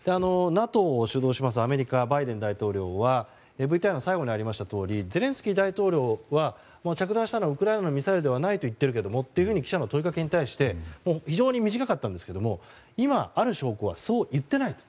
ＮＡＴＯを主導するアメリカのバイデン大統領はＶＴＲの最後にありましたとおりゼレンスキー大統領は着弾したのはウクライナのミサイルではないと言っているけれどもと記者の問いかけに対して非常に短かったんですが今ある証拠はそう言っていないと。